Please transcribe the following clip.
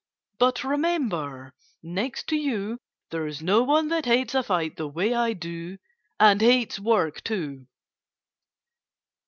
But remember! Next to you there's no one that hates a fight the way I do and hates work, too!"